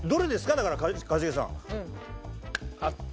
だから一茂さん。あった。